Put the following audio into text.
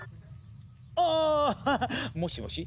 あぁっ！もしもし？